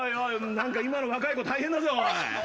何か今の若い子、大変だぞ。